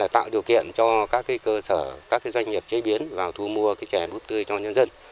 tạo điều kiện cho các cơ sở các doanh nghiệp chế biến vào thu mua chè búp tươi cho nhân dân